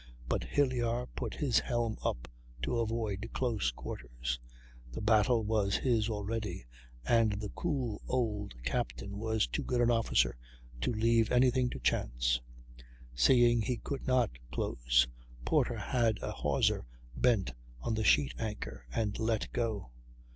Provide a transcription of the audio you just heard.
But Hilyar put his helm up to avoid close quarters; the battle was his already, and the cool old captain was too good an officer to leave any thing to chance. Seeing he could not close, Porter had a hawser bent on the sheet anchor and let go.